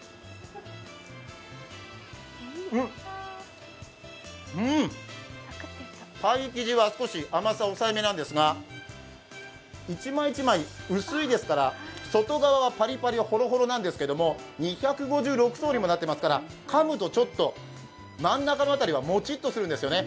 うん、うん、パイ生地は少し甘さ抑えめなんですが１枚１枚薄いですから、外側はパリパリなんですが、２５６層にもなってますから、かむと真ん中の辺りがモチッとするんですよね。